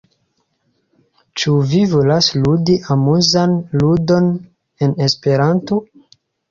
Ĉu vi volas ludi amuzan ludon en Esperanto?